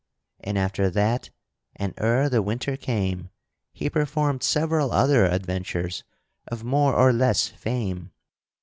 And after that and ere the winter came, he performed several other adventures of more or less fame.